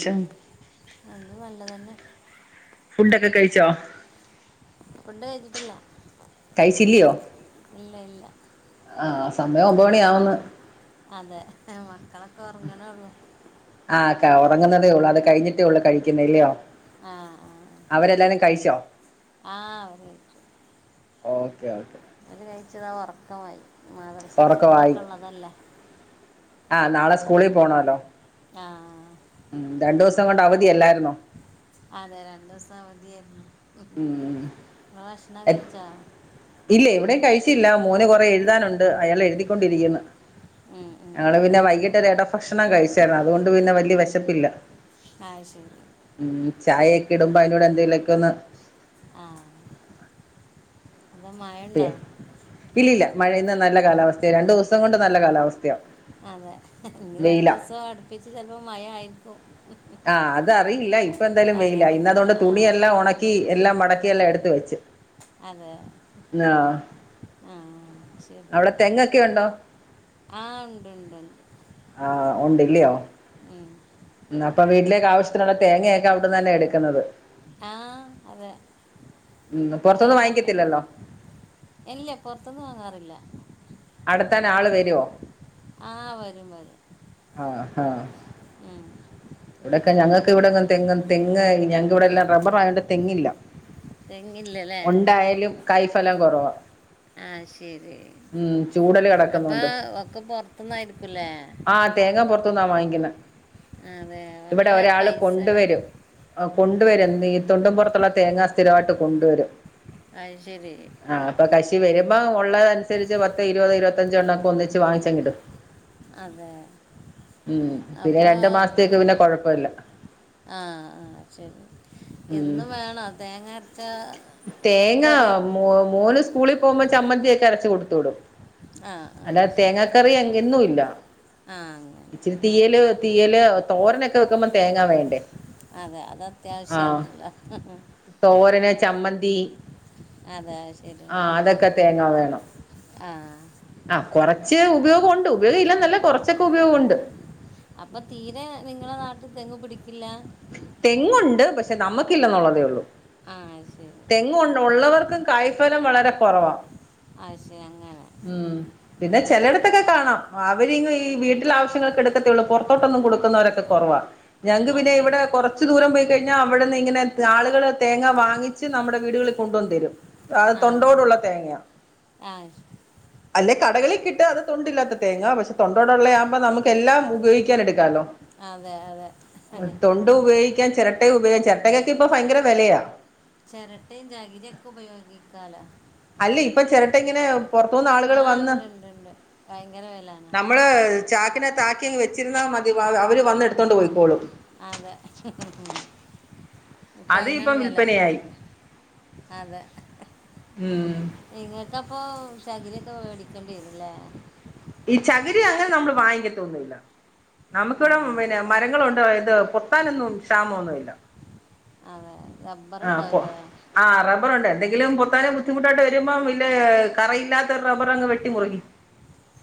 ശേഷം എന്താനല്ലെതെന്നെ ഫുഡൊക്കെ കയ്ച്ചോ ഫുഡ് കയ്ച്ചിട്ടില്ല കയ്ച്ചില്ലിയോ ഇല്ല ഇല്ല ആഹ് സമയം ഒമ്പത് മണിയാവ്ന്ന് അതെ മക്കളൊക്കെ ഉറങ്ങണേള്ളൂ ആക്ക ഉറങ്ങുന്നതേ ഉള്ളൂ അത് കഴിഞ്ഞിട്ടേ ഉള്ളൂ കഴിക്കുന്നേ ഇല്ലയോ ആഹ് ആഹ് അവരെല്ലാരും കഴിച്ചോ ആഹ് അവര് കയ്ച്ചു ഓക്കെ ഓക്കെ ഒരു കഴിച്ചതാ ഉറക്കമായി മാദ്രസ സ്കൂളൊക്കെ ഉള്ളതല്ലേ ആഹ നാളെ സ്കൂളിൽ പോണല്ലോ ആഹ് ഉം രണ്ടു ദിവസം കൊണ്ട് അവധി അല്ലായിരുന്നോ അതെ രണ്ട് ദിവസം അവധിയാരുന്നു ഉം ഇല്ല ഇവിടെയും കഴിച്ചില്ല മോന് കുറെ എഴുതാനുണ്ട് അയാള് എഴുതിക്കൊണ്ടിരിക്കുന്നു ഉം, ഉം. ഇയാള് പിന്നെ വൈകിട്ട് ഒരു ഇടഭക്ഷണം കഴിച്ചിരുന്നു അതുകൊണ്ട് പിന്നെ വലിയ വിശപ്പില്ല ആഹ് ശരി ഉം ചായ ഒക്കെ ഇടുമ്പോൾ അതിൻ്റെ കൂടെ എന്തെങ്കിലുമൊക്കെ ഒന്ന് ആഹ് എന്താ മഴയുണ്ടോ ഇല്ലല്ലൊ മഴന്ന് നല്ല കാലാവസ്ഥയാ രണ്ടു ദിവസം കൊണ്ട് നല്ല കാലാവസ്ഥയാ അതെ ഇനി രണ്ടു വെയിലാ ദിവസം അടുപ്പിച്ച് ചിലപ്പോ മഴയിരിക്കും ആഹ് അതറിയില്ല ഇപ്പാ എന്തായാലും പറയാൻ വെയില ഇന്ന് അത് പറ്റില്ല കൊണ്ട് ആ തുണിയെല്ലാം ഉണക്കി എല്ലാം മടക്കിയെല്ലാം എടുത്ത വെച്ച് അതെ ആഹ് ആഹ് ശരി എന്നാ അവിടെ തെങ്ങൊക്കെ ഉണ്ടോ ആഹ് ഉണ്ടാണ്ട് ആഹ് ഉണ്ട് അല്ലയോ ഉം അപ്പൊ വീട്ടിലേക്ക് ആവശ്യത്തിനുള്ള തേങ്ങയൊക്കെ അവിടെന്ന് തന്നെ എടുക്കുന്നത് ആഹ് അതെ ഉം പുറത്തൊന്നും തേങ്ങത്തണ്ട് വാങ്ങിക്കത്തില്ലല്ലോ ഇല്ല പുറത്ത് നിന്ന് വാങ്ങാറില്ല അടത്താൻ ആള് വരുവോ ആഹ് വരും വരും ആഹ് ആഹ് ഉം ഇവിടൊക്കെ ഞങ്ങൾക്ക് ഇവിടെ തേങ്ങ് ഞങ്ങക്ക് ഇവിടെ എല്ലാം റബർ ആയത് കൊണ്ട് തേങ്ങില്ല തെങ്ങില്ലല്ലേ ഉണ്ടായാലും കയ്ഫലം കുറവാ ആഹ് ശരി ഉം ചൂടല് അപ്പൊ കിടക്കുന്നുണ്ട് ഒക്കെ പുർത്തന്നായിരിക്കല്ലേ ആഹ് തേങ്ങ പുറത്തനിന്നാ വാങ്ങിക്കുന്നത് ആഹ് അതെ അതെ ഇവിടെ ഒരാള് കൊണ്ടുവരും ആഹ് ആ, കൊണ്ടുവരും ഈ തൊണ്ടും പുറത്തുള്ള തേങ്ങാ സ്ഥിരമായിട്ട് കൊണ്ടുവരും അത് ശരി അപ്പൊ കശി വരുമ്പോൾ ഉള്ളത് അനുസരിച്ച് പത്ത് ഇരുപത് ഇരുമ്പത്തഞ്ച് എണ്ണം ഒക്കെ ഒന്നിച്ച് വാങ്ങിച്ച് അങ്ങ് ഇടും അതെ ഉം പിന്നെ രണ്ടു മാസത്തേക്ക് പിന്നെ കൊഴപ്പില്ല ആഹ് ആഹ് ശരി ഉം എന്നും വേണ തേങ്ങ അരച്ച് തേങ്ങ മേന് സ്കൂളിൽ പോകുമ്പോൾ ചമ്മന്തി ഒക്കെ അരച്ച് കൊടുത്തു വീടും ആ ആ അല്ലാതെ തേങ്ങ കറി അങ്ങൊന്നും ഇല്ല ആഹ് അങ്ങനെ തീയല് തീയല് തോരൻനൊക്കെ വെക്കുമ്പോൾ തേങ്ങാ വേണ്ടേ അതെ അത് ആ അത്യാവശ്യണല്ലോ തോരന് ചമ്മന്തി അതാ ശരി ആ അതൊക്കെ തേങ്ങ വേണം ആഹ് ആഹ് കുറച്ച് ഉപയോഗം ഉണ്ട് ഉപയോഗം ഇല്ലന്നല്ല കൊറച്ചൊക്കെ ഉപയോഗം ഉണ്ട് അപ്പൊ തീരെ നിങ്ങളെ നാട്ടിൽ തെങ്ങ് പിടിക്കില്ല തെങ്ങുണ്ട് പക്ഷെ നമുക്കില്ലെന്നുള്ളതേള്ളൂ ആഹ് അത് ശരി തെങ്ങ് ഉള്ളവർക്കും കായ്ഫലം വളരെ കുറവാണ് അത് ശരി അങ്ങനെ ഉം പിന്നെ ചിലയിടത്തൊക്കെ കാണാം അവര് ഈ വീട്ടില് ആവശ്യങ്ങൾക്ക് എടുക്കത്തേള്ളൂ പുറത്തോട്ടൊന്നും കൊടുക്കുന്നവരൊക്കെ കുറവാ ഞങ്ങക്ക് പിന്നെ അതെ ഇവിടെ കുറച്ച് ദൂരം പോയി കഴിഞ്ഞാൽ അവിടുന്ന് ഇങ്ങനെ ആളുകള് തേങ്ങാ വാങ്ങി കുറച്ച് നമ്മുടെ വീടുകളിൽ കൊണ്ടുവന്ന് തരും അത് ആ തൊണ്ടോടുള്ള തേങ്ങയാ ആ ആ, ശ- അല്ലെ കടകളിൽ കിട്ടാ അത് തൊണ്ടില്ലാത്ത തേങ്ങ പക്ഷെ തൊണ്ടോടുള്ളയാമ്പം നമ്ക്ക് എല്ലാം ഉപയോഗിക്കാനെടുക്കാലോ അതെ അതെ [unintelligible] തൊണ്ട് ഉപയോഗിക്ക്യാൻ ചെരട്ടയ ഉപയോഗാം ചെരട്ടയക്കക്ക് ഇപ്പൊ ഭയര വെലയാ ചെരട്ടയും ചഗിരിക്കൊ ഉപയോഗിക്കാലോ അല്ല ഇപ്പ ചെരട്ട ഇങ്ങനെ പൊറത്തൂന്ന് ആ ആളുകള് വന്ന് ഉണ്ട് ഉണ്ട് ഉണ്ട് ഭയങ്കര വിലയാണ് നമ്മള് ചാക്കിനകത്താക്കിങ്ങ് വെച്ചിരുന്നാമതി അവര് വന്ന് എടുത്തോണ്ട് പോയിക്കോളും അതെ [unintelligible] ഇപ്പ അത് അയിനാണ് ഇപ്പം വെല വിൽപ്പനയായി അതെ ഉം നിങ്ങക്കപ്പൊ ചകിരിക്കെ വേടിക്കണ്ടിരുലേ ഈ ചകിരി അങ്ങനെ നമ്മള് വാങ്ങിക്കത്തൊന്നുല്ല നമുക്കിവിടെ അതെ പിന്നെ ഒക്കെ മരങ്ങളുണ്ട് ഇത് പൊ പൊത്താനൊന്നും ക്ഷാമൊന്നുഇല്ല അതെ റബ്ബറ് ഇണ്ടാവുലേ ആഹ് റബ്ബറുണ്ട് എന്തെങ്കിലും പൊത്താനെ ബുദ്ധിമുട്ടായിട്ട് വരുമ്പോം ഇലേ കറയില്ലാ ത്ത റബ്ബറ് അങ് വെട്ടി മുറിക്കും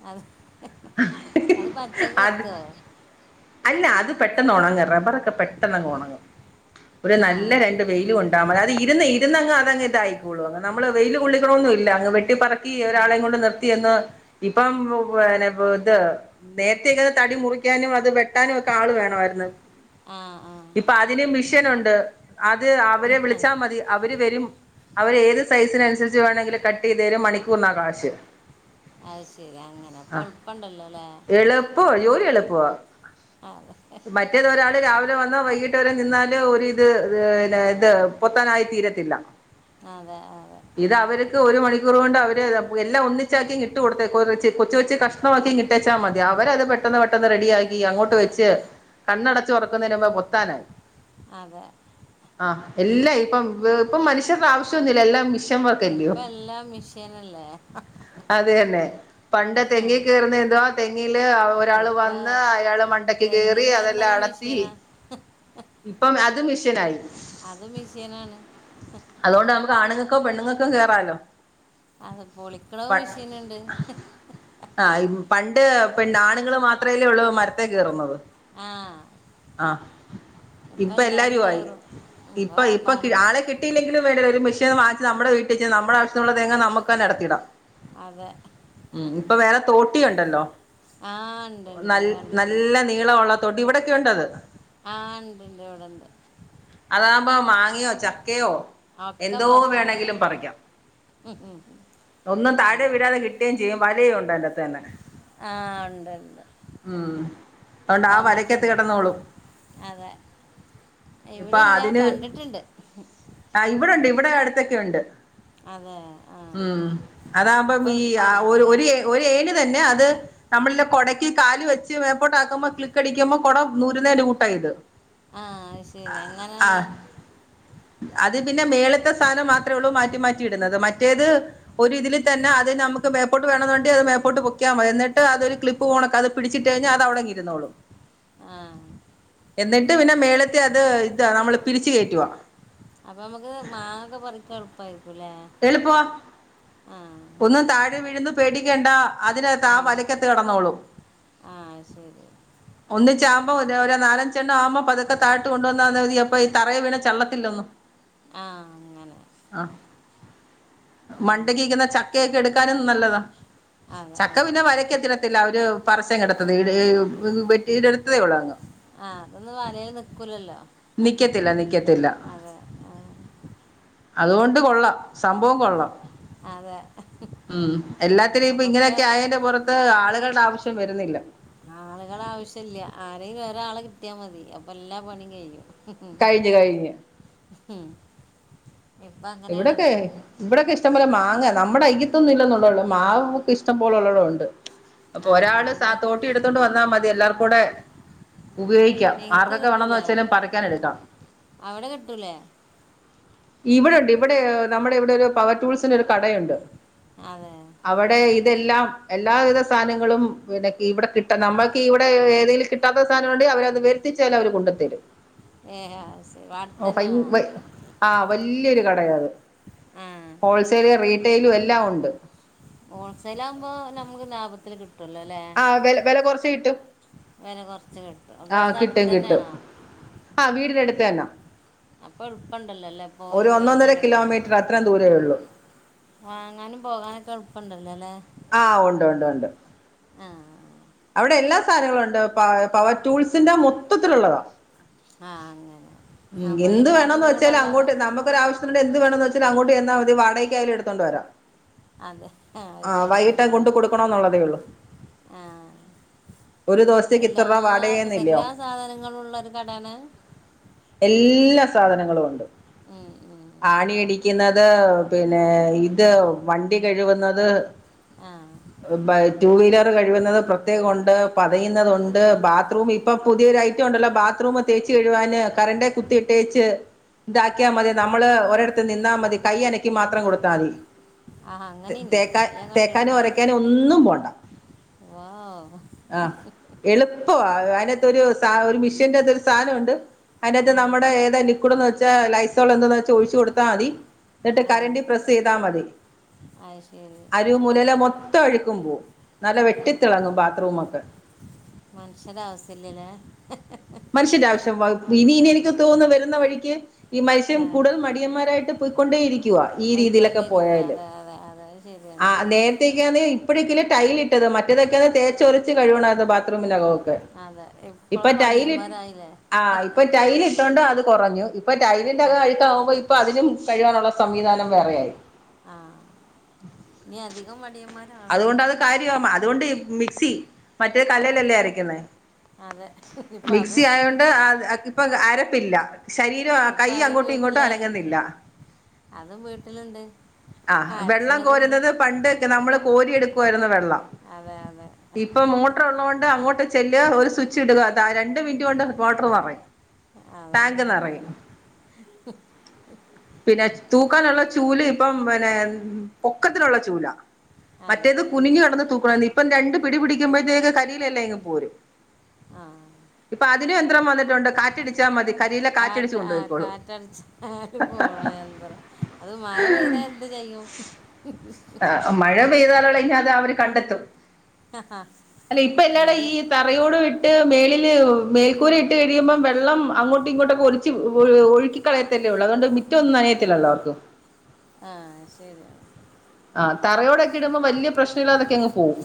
അത് അത്പച്ചക്ക് അത് കത്തോ അല്ല അത് പെട്ടെന്ന് ഉണങ്ങും റബ്ബറൊക്കെ പെട്ടെന്ന്ങ്ങ് ഉണങ്ങും ഒരു ആ നല്ല ര ശരി രണ്ടാമത് അതായത് ഇര്ന്ന് ഇര്ന്നങ്ങ് അതങ്ങ് ഇതായിക്കോളും നമ്മള് വെയില്കൊള്ളിക്ക്ണൊന്നുല്ല അങ്ങ് വെട്ടിപറ ക്കി ആ ഒരാളെ കൊണ്ട് നിർത്തിയന്ന് ഇപ്പം പിന്നെ പി ഇത് നേരത്തേക്കത് തടി മുറിക്കാനും അത് വെട്ടാനും ഒക്കെ ആള് വേണമായിരുന്നു ആഹ് ആഹ് ഇപ്പൊ അതിന് മിഷനുണ്ട് അത് അവരെ വിളിച്ചാൽ മതി അവര് വരും അവര് ഏത് സൈസിനനുസരിച്ച് വേണങ്കിലും കട്ടയ്തരും മണിക്കൂറിനാ കാശ്. അഹ് ശെരി അങ്ങനെ ഇപ്പൾപ്പണ്ടല്ലലേ എൾപ്പോ ജോലി എള്പ്പാ. അത മറ്റേത് ഒരാള് രാവിലെ വന്നാ വൈകീട്ട് വരെ നിന്നാല് ഒരിത് തന്നെ ഇത് പൊത്താനായി തീരത്തില്ല അതെ അതെ ഇത് അവര്ക്ക് ഒരു മണിക്കൂർ കൊണ്ട് അവര് എല്ലാം ഒന്നിച്ചാക്കിങ്ങ് ഇട്ടുകൊടുത്തെക്കൊറ്ച്ച് കൊച്ച് കൊച്ച് കഷ് ണമാക്കിങ്ങ്ട്ടേച്ചാ മതി അവരത് പെട്ടെന്ന് പെട്ടെന്ന് റെഡിയാക്കി അങ്ങോട്ട് വെച്ച് കണ്ണടച്ച് തുറക്കുന്നന്റെ മുമ്പേ പൊത്താനായി അതെ ആഹ് എല്ലാ ഇപ്പം ഇപ്പൊ മനുഷ്യർടെ ആവശ്യൊന്നുല്ല എല്ലാം മിഷി ഇപ്പ എല്ലാം മിഷീനല്ലേ. അതെയന്നെ പണ്ട് തെങ്ങീകേറുന്നന്തുവാ തെങ്ങില് ഒരാള് ഇപ്പം വന്ന് അയാള് മണ്ട ക്ക് തെങ്ങ് കേറി അതെല്ലാം കയറുന്നത് അടത്തി മെഷീനാ ഇപ്പം അതും മിഷനായി അതും മിഷീനാണ് അതോണ്ട് നമ്ക്ക് ആണ്ങ്ങക്കും പെണ്ണുങ്ങക്കും കേറാല്ലോ അത് പൊളിക്കണഉം മെഷീന്ണ്ട് ആഹ് പണ്ട് പിണ്ണ ആണുങ്ങള് മാത്രേല്ലേഉള്ളൂ മരത്തേ കേയറുന്നത് ആ ആഹ് ഇപ്പം എല്ലാവരും ഇപ്പല്ലാരും ആയി കയറും ഇപ്പ ഇപ്പോൾ ഇപ്പ പണ്ട് ആളെ കിട്ടിയില്ലങ്കിലും വേണ്ടില്ല ഒര് മെഷീ വാങ്ങ്ച്ച് നമ്മ്ടെ വീട്ടിക്ക് നമ്മുടെവിശ്യത്തിനുള്ള തേങ്ങ നമുക്കന്നെ അടത്തിടാം അതെ ഉം ഇപ്പ വേറെ തോട്ടിയുണ്ടല്ലോ ആ ഉണ്ട് ഉണ്ട് നൽ ഞാൻ കണ്ടിട്ടുണ്ട് നല്ല നീള ഉള്ള തോട്ടി ഇവിടെക്കെയുണ്ടത്. ആഹ് ഇണ്ട്ണ്ട് ഇവിടെണ്ട് അതാഉമ്പോ മാങ്ങയോ ചക്കയോ ഒക്കെ എന്തോ പറിച്ചെടുക്ക വേണങ്കിലും പറിക്ക്യാം ഒന്നും താഴെ അതെ വിഴാതെ കി ട്ടയും ചെയ്യും വലയും ഉണ്ട് അയിന്റെകത്ത്ന്നെ ആഹ് ഉണ്ട്ണ്ട് ഉം അതുകൊണ്ട് ആഹ് വരക്കത്ത് കെടന്നോളും. അതെ ഇവിടെല്ല കണ്ടിട്ട്ണ്ട്. ഹും ആഹ് ഇവ്ടെണ്ട് ഇവ്ടെ അടുത്തൊക്കെ ഉണ്ട്. അതെ ആ ഉം അതാകുമ്പം അപ്പോൾ ഈ ആഹ് എളുപ്പമാണല്ലോ ഒരു അല്ലേ ഒര് ഏ ഒര് ഏ തന്നെ അത് നമ്മൾടെ കൊട ക്ക് കാല് വെച്ച് മേപ്പോട്ടാക്കുമ്പോ ക്ലിക്കടിക്കുമ്പോ കൊട നൂറുന്നേന്റെ കൂട്ടാ ഇത്. ആഹ് അയ് ശരി ആ അങ്ങനെയാണ്. അത് പിന്നെ മേള്ത്തെ സാനം മാത്രള്ളൂ മാറ്റി മാറ്റിയിടുന്നത് മറ്റേത് ഒരു ഇതിൽ തന്നെ അത് നമുക്ക് മേപ്പോട്ട് വേണതോണ്ടി അത് മേപ്പോട്ട് പൊക്കിയാ മതി എന്നിട്ട് അതില് ക്ലി പ്പോണക്കത് പിടിച്ചിട്ടഴിഞ്ഞാ അത് അവിടെ അങ് ഇരുന്നോളും. ആഹ് എന്നിട്ട് പിന്നെ മേളത്തി അത് ഇതാ നമ്മൾ പിരിച്ച് കയറ്റുക. അപ്പൊ നമുക്ക് മാങ്ങ പറിക്കാൻ എളുപ്പായിരിക്കും ല്ലേ എളുപ്പ ഒന്നും താഴെ വീഴുന്ന് പേടിക്കേണ്ട അതിനകത്ത് ആ വലയ്ക്കത്ത് കെടന്നോളും. ആഹ് ശരി. ഒന്നിച്ചാകുമ്പോ ഒര് ഒരു നാലഞ്ചെണ്ണം ആവുമ്പോ പതുക്കെ താടഴത്ത് കൊണ്ട് വന്ന് അതായത് എപ്പോ ഈ തറയിൽ വീണ് ചള്ളത്തില്ലൊന്നും. ആഹ് അങ്ങനെ. ആഹ് അങ്ങനെ മണ്ടക്ക്ക്കുന്ന ഓക്കെ. ചക്കയൊക്കെ എടുക്കാനും നല്ലതാ അതെ ചക്ക അതെ പിന്നെ വലക്കെത്തി ത്തില്ല അവര് പറിച്ചങ് എട്ത്തത് ഇ ഈ വെട്ടിടുത്തതേ ഉള്ളൂ അങ്ങ് ആഹ് അതൊന്നും വലയില് നിക്കൂലല്ലോ നിക്കത്തില്ല നിക്കത്തില്ല അതെ ആഹ് അതുകൊണ്ട് കൊള്ളാം സംഭവം കൊള്ളാം. അതെ ഉം എല്ലാത്തിനും ഇപ്പോ അപ്പോൾ ഒക്കെ ഇങ്ങനെയൊക്കെ ആയേന്റെ പൊറത്ത് ആളുകളുടെ ആവശ്യം വരുന്നില്ല. ആളുകൾ ആവശ്യല്ല ആരെങ്കിലും ഒരാളെ കിട്ടിയാ മതി അപ്പൊ എല്ലാ പണിയും കയ്യും. ഉഹും കഴിഞ്ഞ് കഴിഞ്ഞ് ഉഹും ഇവിടൊക്കെ ഇവിടെക്കെ ഇഷ്ടം പോലെ മാങ്ങ നമ്മുടെ അയ്യത്തൊന്നുംല്ലന്നള്ളൂ മാവ് മൂ ഇഷ്ടം പോലുള്ള ഉണ്ട് അപ്പൊ ആ ഒരാള് സാ നിങ്ങൾക്ക് തോട്ടി എടുത്തൊണ്ട് വന്നാൽ മതി എല്ലാർകൂടെ ഉപയോഗിക്കാം നിങ്ങൾക്ക് ആർക്കൊക്കെ വേണംന്ന് കിട്ടൂലേ വെച്ചാലും പറിക്കാനെടുക്കാം. അവിടെ കിട്ടൂലേ ഇവിടെണ്ട് ഇവിടെ നമ്മുടെ ഇവിടെ ഒരു പവർ ടൂൾസിന്റെ ഒരു കടയുണ്ട്. അതെ അവടെ ഇതെല്ലാം എല്ലാവിധ സാനങ്ങളും പിന്നെ ഇവിടെ കിട്ട നമ്മൾക്ക് ഇവിടെ ഏതേലും കി ട്ടാത്ത സാനങ്ങള്ണ്ടെങ്കി അവരത് വരുത്തിച്ചാലും അവര് കൊണ്ടുത്തരും. ഏ ആ, ശരി അവിടെ ആഹ് തന്നെയാണോ ഫയ വല്യരു കട. കടെ യത് ആ ഹോൾസെൽ റീറ്റെയിലും എല്ലാം ഉണ്ട്. ഹോൾസെൽ ആകുമ്പോ നമുക്ക് ലാഭത്തില് കിട്ടോല്ലോല്ലേ ആ വില വില കുറച്ച് കിട്ടും വെല കൊറച്ച് കിട്ടും. അപ്പോൾ ആഹ് അത് അടുത്ത് കിട്ടും കിട്ടും തന്നെയാണോ ആഹ് വീടിനടുത്ത് തന്നാ അപ്പോ എളുപ്പണ്ടല്ലോല്ലേ പോയി ഒരു ഒന്നൊന്നര വാങ്ങാനൊക്കെ. കിലോമീറ്റർ അത്ര ദൂരേള്ളൂ. വാങ്ങാനും പോകാനൊക്കെ എളുപ്പുണ്ടല്ലോ ല്ലെ ആഹ് ഉണ്ട് ഉണ്ട് ഉണ്ട് ആഹ് അവിടെ എല്ലാ സാനങ്ങളുണ്ട് പ പവർ ടൂൾസിന്റെ മൊത്തത്തിലുള്ളതാ. ആഹ് അങ്ങനെ ഉം അപ്പോൾ എന്ത് എല്ലാതും വേണംന്ന് വെച്ചാല് കൂടുള്ള അങ്ങോട്ട് നമ്മ ഒരാവശ്യണ്ട് എന്ത് വേണന്ന് വച്ചാൽ അങ്ങോട്ട് ചെന്നാൽ മതി വാടകക്കായാലും എടുത്തു കൊണ്ട് വരാം. അതെ ആ അത് ആഹ് ശരി വൈകിട്ട അങ്ങനെ കൊണ്ട് കൊടുക്കണന്നുള്ളതേ ഉള്ളു ആ ഒരു ദിവസത്തേക്ക് ഇത്രർവ വാടകന്നില്ലോ സാധനങ്ങളുള്ള ഒരു കടാണ് എല്ലാ സാധനങ്ങളൂണ്ട് ഉം, ഉം, ഉം. ആണിയടിക്കുന്നത് പിന്നെ ഇത് വണ്ടി കഴുകുന്നത് ആഹ് റ്റു വീലർ കഴികുന്നത് പ്രത്യേകംണ്ട് ആ പതയുന്നത്ണ്ട് ബാത്റൂമി പ്പൊ പുതിയൊരു ഐറ്റം ഉണ്ടല്ലോ ബാത്റൂം തേച്ച് കെഴുവാൻ കറന്റെ കുത്തി ഇട്ടേച്ച് താക്കിയാ മതി നമ്മള് ഒരടത്ത് നിന്നാ മതി കൈ അനക്കി മാത്രം കൊടുത്താ തി. ആ അങ്ങനെയില്ല തേക്കാ തേക്കാനോ ഒരക്കാനോ ഒന്നും പോണ്ട. വാ ആഹ് എളുപ്പവാ [unintelligible] രു സ ഒരു മിഷീന്റെകത്ത് ഒരു സാനണ്ട് അയിൻ്റ കത്ത് ആ നമ്മടെ ഏത ലിക്കുട്ന്നച്ചാ ലയ് [unintelligible] ഒഴിച്ച് കൊടുത്താ മതി ന്നട്ട് ആ കരൻ്റ് പ്രസ്സയ്താ മതി അത് ശരി അ മുലേലെ മൊത്തം അഴ്ക്കും പോവും നല്ല വെട്ടി തിളങ്ങും ബാത്റൂമ ഒക്കെ. മൻഷ്യരെ ആസ്യല്ലലേ. മൻഷ്യൻ്റെ ആവശ്യം വ ഇനി ഇനി എനിക്ക് തോന്നുന്നു വരുന്ന വഴിക്ക് ഈ മനുഷ്യം ആ കൂടൽ മടിയന്മാരായിട്ട് പൊയ്ക്കൊണ്ടേ ഇരിക്കുവ ഈ രീതിയിലൊക്കെ പോയാല്. അഹ് ആ ശരിയാണ്. നേരത്തേക്കാന്നെ ഇപ്പഴക്കല്ലേ ടൈലിട്ടത് മറ്റതൊക്കെ തേച്ചൊരച്ച് കഴിവണാരുന്നു ബാത് റൂമിന്റെകക്കെ. അതെ ഇപ്പളോ മടിയമ ആ ഇപ്പൊ ടൈല്ട്ടോണ്ട് അത് കൊറഞ്ഞു ഇപ്പ ടൈലിന്റെകം അതെ അഴ്ക്കാവുമ്പോ ഇ പ്പ അതിനും കഴികാനുള്ള സംവിധാനം വേറെയായി. ആഹ് ഇനി അധികം മടിയമാ അതുകൊണ്ട അത് കാര്യവും അതുകൊണ്ട് മിക്സി മറ്റേ കല്ലേലല്ലേ അരക്കുന്നേ അതെ ഇപ്പ മിക്സി അതും ആയോണ്ട് അത് പ്പൊ അരപ്പില്ല ശരീരം ഇപ്പ കൈ അത് അങ്ങോട്ടും ഇങ്ങോട്ടും വീട്ടിലായി അനങ്ങ്ന്നില്ല. അതും വീട്ട്ല്ണ്ട് ആഹ് വെള്ളം കോരുന്നത് പണ്ടൊക്കെ നമ്മള് കോരിയെടുക്കുവായിരുന്നു വെള്ളം അതെ അതെ ഇപ്പം മോട്ടർ ഉള്ളോണ്ട് അങ്ങോട്ട് ചെല്ലാ ഒരു സ്വിച്ച് ഇടുക ത ര മിൻട്ടോണ്ട് മോട്ടർ ന്നറയും അതെ ടാങ്ക് ന്നറയും. ശരിയാണ് പിന്നെ തൂക്കാനുള്ള ചൂല് ഇപ്പം പിന്നെ പൊക്കത്തിലുള്ള ചൂലാ. അതെ മറ്റേത് കുനിഞ് കടന്ന് തൂക്കണ ഇപ്പം രണ്ട് പിടി പിടിക്കുമ്പോഴത്തേക്ക് കരിയിലല്ലം ഇങ്ങ് പോരും. ആഹ് പ്പ അതിനും യന്ത്രം വന്ന് കാറ്റ ആഹ് കൊണ്ടുപോയിക്കോളും കാറ്റട്ച്ചാല് പോണ യന്ത്ര അത് മയ പെയ്താ എന്ത് ചെയ്യും? മഴ പെയ്താലളിഞ്ഞ അത് അവര് കണ്ടത്തും അല്ല ഇപ്പ ഇനി എല്ലാട അത് ഈ തറയോടും ഇട്ട് മേളിൽ മേൽക്കൂര ഇട്ട് കഴിയുമ്പം വെ ള്ളം അങ്ങോട്ടും ഇങ്ങോട്ടൊക്കെ ഒലിച്ച് ഒഴുക്കി കളയത്തല്ലേ ഉള്ളൂ അതുകൊണ്ട് മിറ്റംന്നും നനയത്തില്ലല്ലോ ആർക്കും. ആഹ് ശരിയാ ആഹ് തറയോടൊക്കെ ഇടുമ്പോ വല്യേ പ്രശ്നല്ലാതൊക്കെങ്ങ് പോകും.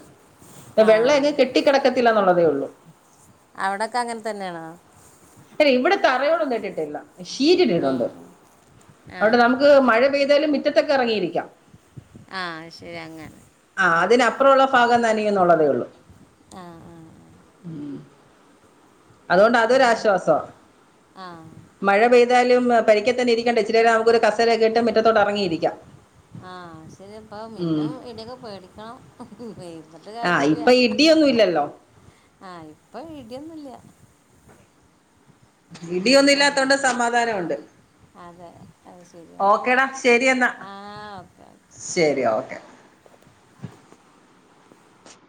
ആ വെള്ള എങ് കെട്ടിക്കെടക്കത്തില്ല എന്നുള്ളതേ ഉള്ളൂ. അഒടക്കെ അങ്ങനെ തന്നേണോ? [unintelligible] ഇവടെ തറയോടൊന്ന് ഇട്ട്ട്ട്ല്ല ഷീറ്റി ട്ടിട്ടൊണ്ട് ഉം. ആ അഓണ്ട് നമു ക്ക് മഴ പെയ്താലും മിറ്റത്തക്കെ എറങ്ങിയിരിക്കാം. ആഹ് അഹ് ശരി അങ്ങനെ. ആ അതിനപ്പുറള്ള ഭാഗം ന്നനയന്നുള്ളതേ ഉള്ളൂ. ആഹ് ആഹ് ഉം അതുകൊണ്ട് എന്ന് അതൊരാശ്വാസാ. ആ മഴ പെയ്താലും പരിക്ക തന്നെ ഇരിക്കണ്ടേ ച്ചിരി നേരം നമുക്കരു കസര കിട്ടും മിറ്റത്തോട്ട എറങ്ങിയിരിക്കാം. ആഹ് ശരി പ്പം മിന്നും ഇടിക്കെ പേടിക്കണം ഇര്ന്ന്ട്ട് ആഹ് കാര്യം ല്ല. ഇപ്പൊ ഇടിയൊന്നും ഇല്ലല്ലോ? ആഹ് ഇപ്പം ഇടിയൊന്നുംല്ല. അങ്ങനെ ഇടിയൊന്നില്ലാത്തോണ്ട് സമാധാനൊണ്ട്. അതെ അത് ശരിയ ശരി എന്നാ ആഹ് ഓക്കെ. ശരി ഓക്കെ